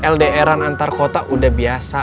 ldr an antar kota udah biasa